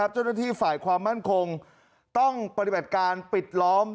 เจ้าหน้าที่ฝ่ายความมั่นคงต้องปฏิบัติการปิดล้อม